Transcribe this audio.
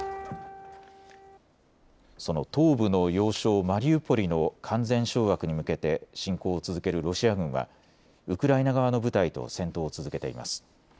その東部の要衝マリウポリの完全掌握に向けて侵攻を続けるロシア軍はウクライナ側の部隊と戦闘を続けています。